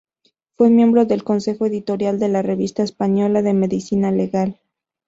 Fue miembro del Consejo Editorial de la Revista Española de Medicina Legal.